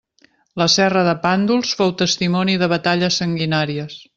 La serra de Pàndols fou testimoni de batalles sanguinàries.